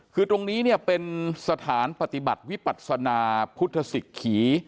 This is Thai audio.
คือตรงนี้เนี่ยเป็นสถานปฏิบัติวิปัศนาพุทธศิกขี